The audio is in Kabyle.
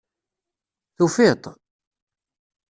Tufiḍ-t?